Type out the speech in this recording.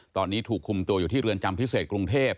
ตอนนี้ถูกคุมตัวอยู่ที่เรือนจำพิเศษกรุงเทพ